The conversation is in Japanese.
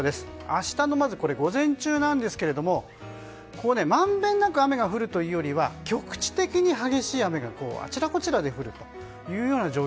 明日の午前中なんですがまんべんなく雨が降るというよりは局地的に激しい雨があちらこちらで降ります。